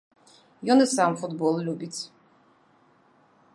Ён і сам футбол любіць.